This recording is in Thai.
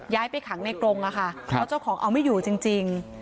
ย้ายไปขังในกรงค่ะแล้วเจ้าของเอาไม่อยู่จริง